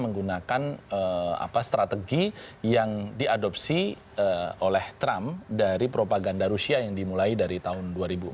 menggunakan strategi yang diadopsi oleh trump dari propaganda rusia yang dimulai dari tahun dua ribu empat